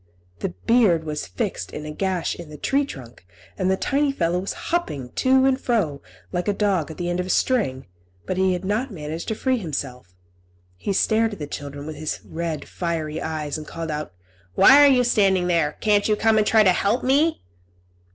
The beard was fixed in a gash in the tree trunk, and the tiny fellow was hopping to and fro, like a dog at the end of a string, but he could not manage to free himself. He stared at the children, with his red, fiery eyes, and called out, "Why are you standing there? Can't you come and try to help me?"